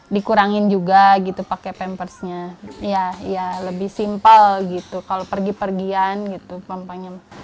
dikurangin juga gitu pakai pampersnya ya lebih simple gitu kalau pergi pergian gitu